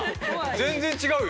全然違うよ。